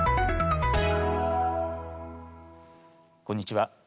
こんにちは。